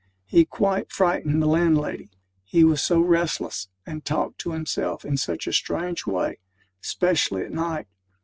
He quite frightened the landlady, he was so restless, and talked to himself in such a strange way; specially at night.